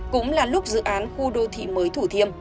cũng là lúc dự án khu đô thị mới thủ thiêm